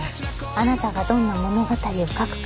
あなたがどんな物語を書くか。